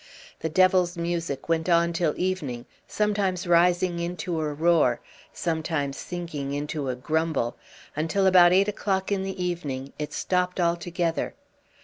The devil's music went on till evening, sometimes rising into a roar, sometimes sinking into a grumble, until about eight o'clock in the evening it stopped altogether.